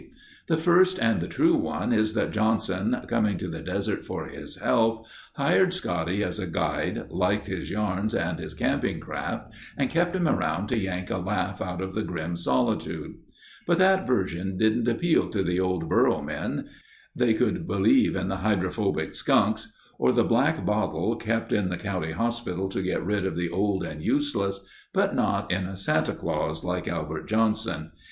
The first and the true one is that Johnson, coming to the desert for his health, hired Scotty as a guide, liked his yarns and his camping craft and kept him around to yank a laugh out of the grim solitude. But that version didn't appeal to the old burro men. They could believe in the hydrophobic skunks or the Black Bottle kept in the county hospital to get rid of the old and useless, but not in a Santa Claus like Albert Johnson.